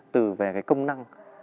từ về cái công năng